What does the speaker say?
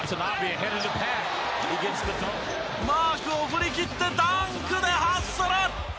マークを振りきってダンクでハッスル！